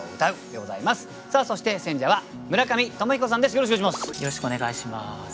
よろしくお願いします。